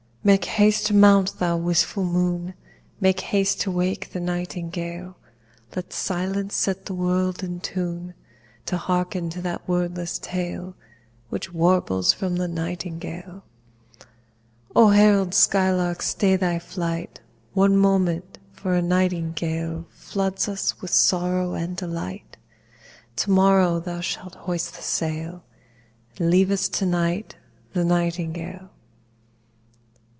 Make haste to mount, thou wistful moon, Make haste to wake the nightingale: Let silence set the world in tune To hearken to that wordless tale Which warbles from the nightingale O herald skylark, stay thy flight One moment, for a nightingale Floods us with sorrow and delight. To morrow thou shalt hoist the sail; Leave us to night the nightingale.